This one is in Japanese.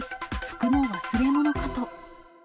服の忘れ物かと。